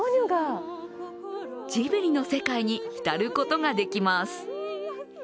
ジブリの世界に浸ることができます。